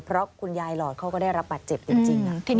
เพราะคุณยายหลอดเขาก็ได้รับบาดเจ็บจริง